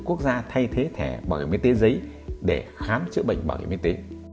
quốc gia thay thế thẻ bảo hiểm y tế giấy để khám chữa bệnh bảo hiểm y tế